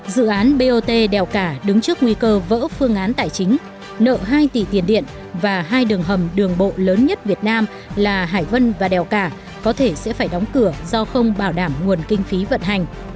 dự án bot đèo cả đứng trước nguy cơ vỡ phương án tài chính nợ hai tỷ tiền điện và hai đường hầm đường bộ lớn nhất việt nam là hải vân và đèo cả có thể sẽ phải đóng cửa do không bảo đảm nguồn kinh phí vận hành